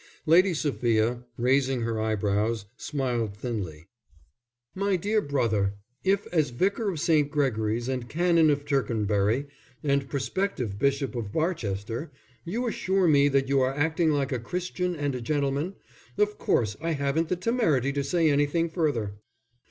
Lady Sophia, raising her eyebrows, smiled thinly. "My dear brother, if as Vicar of St. Gregory's and Canon of Tercanbury, and prospective Bishop of Barchester, you assure me that you are acting like a Christian and a gentleman of course I haven't the temerity to say anything further."